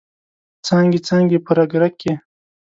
څانګې، څانګې په رګ، رګ کې